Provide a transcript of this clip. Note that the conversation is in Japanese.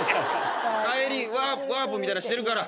帰りワープみたいなしてるから。